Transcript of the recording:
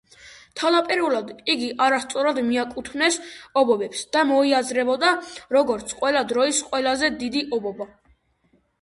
თავდაპირველად იგი არასწორად მიაკუთვნეს ობობებს და მოიაზრებოდა როგორც ყველა დროის ყველაზე დიდი ობობა.